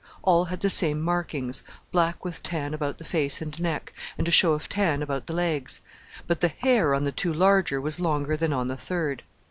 All had the same markings, black with tan about the face and neck, and a show of tan about the legs, but the hair on the two larger was longer than on the third.